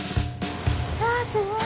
わあすごい。